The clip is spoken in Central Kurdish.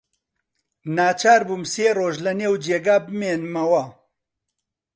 ناچار بووم سێ ڕۆژ لەنێو جێگا بمێنمەوە.